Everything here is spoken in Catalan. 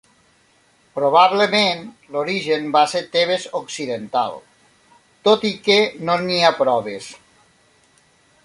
Probablement l'origen va ser-ne Tebes occidental, tot i que no n'hi ha proves.